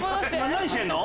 何してんの？